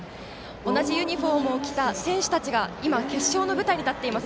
同じユニフォームを着た選手たちが今、決勝の舞台に立っています。